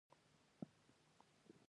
پوهنې وزارت څنګه ښوونځي اداره کوي؟